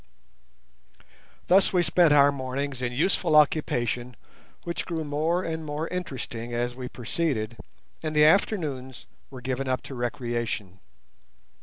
Thus we spent our mornings in useful occupation which grew more and more interesting as we proceeded, and the afternoons were given up to recreation.